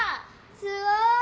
すごい！